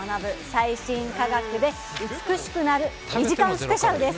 最新科学で美しくなる２時間スペシャルです。